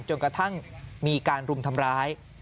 จนกระทั่งมีการรุมทำร้าย